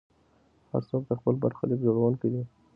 هر څوک د خپل برخلیک جوړونکی دی.